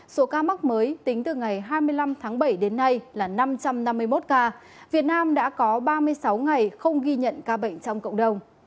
số ca mắc mới tính từ ngày hai mươi năm tháng bảy đến nay là năm trăm năm mươi một ca việt nam đã có ba mươi sáu ngày không ghi nhận ca bệnh trong cộng đồng